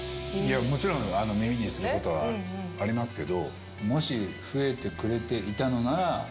もちろん耳にすることはありますけどもし。